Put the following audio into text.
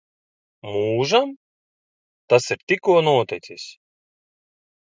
Mūžam? Tas ir tikko noticis.